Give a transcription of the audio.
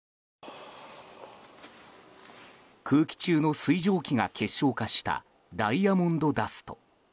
空気中の水蒸気が結晶化したダイヤモンドダスト。